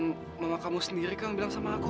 maka mama kamu sendiri kan bilang sama aku